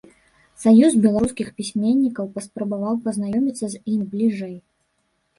Саюз беларускіх пісьменнікаў паспрабаваў пазнаёміцца з імі бліжэй.